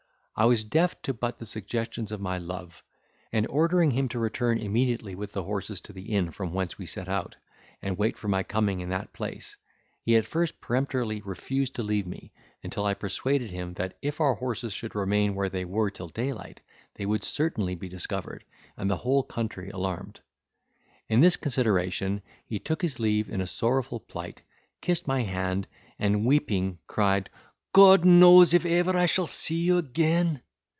I was deaf to but the suggestions of my love; and ordering him to return immediately with the horses to the inn from whence we set out, and wait for my coming in that place, he at first peremptorily refused to leave me, until I persuaded him, that if our horses should remain where they were till daylight, they would certainly be discovered, and the whole country alarmed. On this consideration, he took his leave in a sorrowful plight, kissed my hand, and, weeping, cried "God knows if ever I shall see you again."